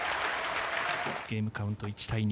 ゲームカウント１対２。